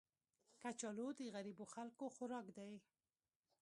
کچالو د غریبو خلکو خوراک دی